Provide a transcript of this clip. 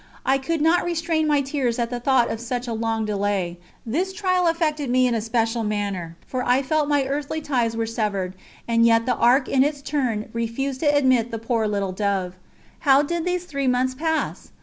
I could not restrain my tears at the thought of such a long delay. This trial affected me in a special manner, for I felt my earthly ties were severed, and yet the Ark in its turn refused to admit the poor little dove. How did these three months pass?